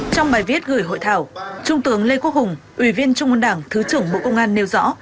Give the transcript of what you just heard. trong bài viết gửi hội thảo trung tướng lê quốc hùng ủy viên trung ương đảng thứ trưởng bộ công an nêu rõ